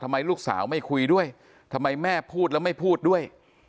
ลูกสาวไม่คุยด้วยทำไมแม่พูดแล้วไม่พูดด้วย